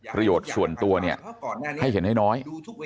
ประโยชน์ส่วนตัวให้เห็นน้อย